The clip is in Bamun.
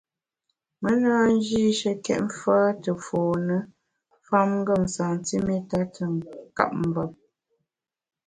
Me na njîshekét mfâ te fône famngem santiméta te nkap mvem.